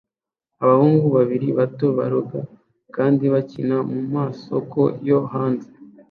Abahungu babiri bato baroga kandi bakina mumasoko yo hanze